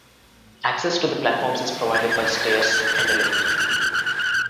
Access to the platforms is provided by stairs and a lift.